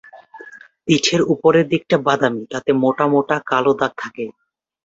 পিঠের উপরের দিকটা বাদামি, তাতে মোটা মোটা কালো দাগ থাকে।